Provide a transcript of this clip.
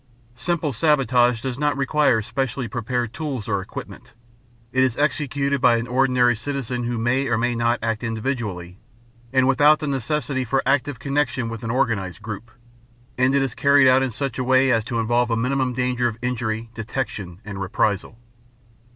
Simple sabotage does not require specially prepared tools or equipment; it is executed by an ordinary citizen who may or may not act individually and without the necessity for active connection with an organized group; and it is carried out in such a way as to involve a minimum danger of injury, detection, and reprisal.